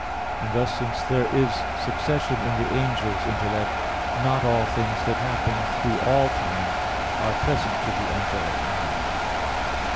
And thus, since there is succession in the angel's intellect, not all things that happen through all time, are present to the angelic mind.